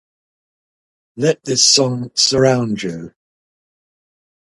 Let this song surround you.